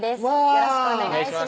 よろしくお願いします